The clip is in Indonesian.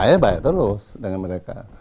saya baik terus dengan mereka